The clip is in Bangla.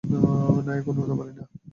না, এখনো উড়তে পারি না।